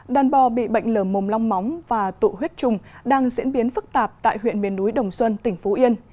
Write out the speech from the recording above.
đàn bò bị bệnh lở mồm long móng và tụ huyết trùng đang diễn biến phức tạp tại huyện miền núi đồng xuân tỉnh phú yên